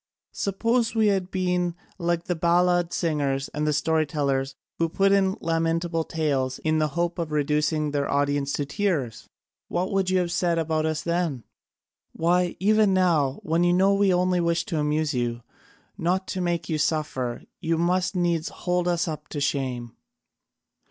Suppose we had been like the ballad singers and story tellers who put in lamentable tales in the hope of reducing their audience to tears! What would you have said about us then? Why, even now, when you know we only wish to amuse you, not to make you suffer, you must needs hold us up to shame."